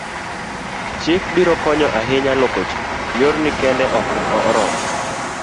chik biro konyo ahinya loko ji, yorni kende ok oromo